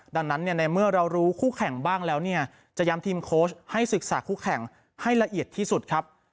ดังนั้นในเมื่อเรารู้คู่แข่งบ้างแล้วเนี่ยจะย้ำทีมโค้ชให้ศึกษาคู่แข่งให้ละเอียดที่สุดครับ